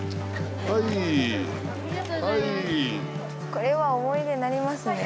これは思い出になりますね